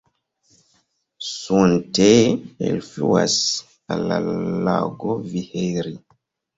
Suontee elfluas al lago Viheri.